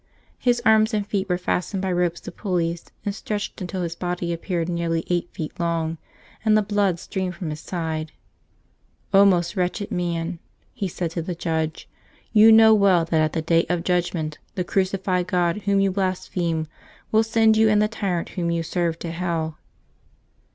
His arms and feet were fastened by ropes to pulleys, and stretched until his body appeared nearly eight feet long, and the blood streamed from his sides. " most wretched man," he said to his judge, "you know well that at the day of judgment the crucified. God Whom you blaspheme will send you and the tyrant whom you serve to hell."